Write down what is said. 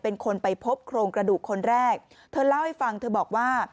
เป็นคนไปพบโครงกระดูกคนแรกเธอเล่าให้ฟังเธอบอกว่า